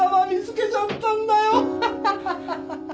ハハハハハ！